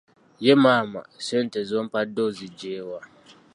Ye maama, ssente z'ompadde ozigye wa?